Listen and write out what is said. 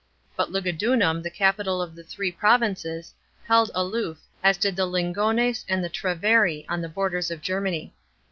But Luuudunum, the capital of the Three Provinces, held aloof, as did the Lingones nnd the Treveri on the borders of Germany.